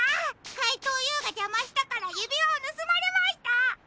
かいとうＵがじゃましたからゆびわをぬすまれました。